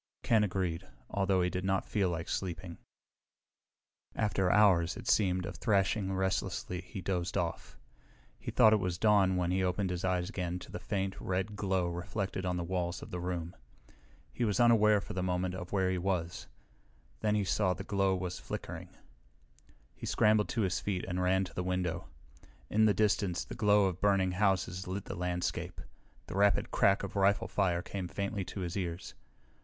Ken agreed, although he did not feel like sleeping. After hours, it seemed, of thrashing restlessly he dozed off. He thought it was dawn when he opened his eyes again to the faint, red glow reflected on the walls of the room. He was unaware for a moment of where he was. Then he saw the glow was flickering. He scrambled to his feet and ran to the window. In the distance the glow of burning houses lit the landscape. The rapid crack of rifle fire came faintly to his ears.